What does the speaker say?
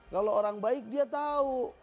kalau orang baik dia tahu